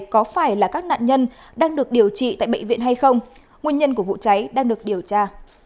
có phải là các nạn nhân đang được điều trị tại bệnh viện hay không nguyên nhân của vụ cháy đang được điều tra